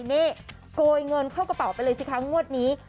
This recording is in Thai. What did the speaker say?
นี่โกยเงินเข้ากระเป๋าไปเลยสิคะงวดนี้